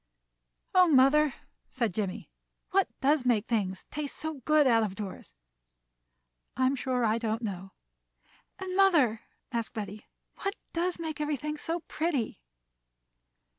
"Oh, mother," said Jimmie, "what does make things taste so good out of doors?" "I'm sure I don't know." "And, mother," asked Betty, "what does make everything so pretty?"